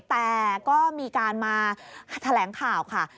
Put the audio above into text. แต่ก็มีการมาแถลงข่าวค่ะ